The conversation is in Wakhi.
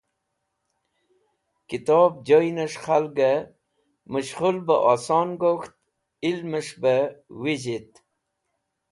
Kitob joynẽs̃h khalgẽ mẽshkhul bẽ oson gok̃ht ilmẽs̃h be vẽzhit.